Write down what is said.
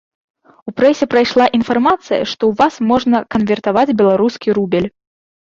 У прэсе прайшла інфармацыя, што ў вас можна канвертаваць беларускі рубель.